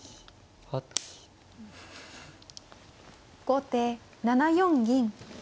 後手７四銀。